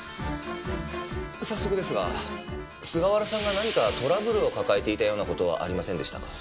早速ですが菅原さんが何かトラブルを抱えていたような事はありませんでしたか？